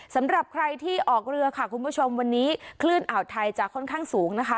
สำหรับใครที่ออกเรือค่ะคุณผู้ชมวันนี้คลื่นอ่าวไทยจะค่อนข้างสูงนะคะ